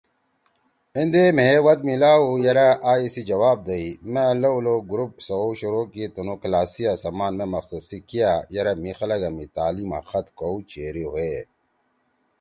ایندے مھیئے ود میلاؤ ہُو یرأ آ ایِسی جواب دئی۔ مأ لؤ لؤ گروپ سوؤ شروع کی تُنُو کلاسیِا سمان مے مقصد سی کیا یرأ مھی خلگا می تعلیم آں خط کؤ چیری ہُوئے۔